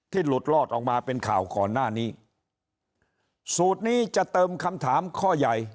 หลุดรอดออกมาเป็นข่าวก่อนหน้านี้สูตรนี้จะเติมคำถามข้อใหญ่